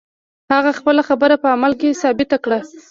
هغه خپله خبره په عمل کې ثابته کړه.